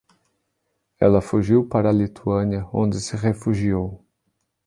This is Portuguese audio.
Ela fugiu para a Lituânia, onde se refugiou